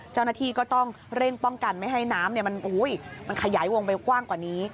เจ้าหน้าที่ก็ต้องเร่งป้องกันไม่ให้น้ำมันขยายวงไปกว้างกว่านี้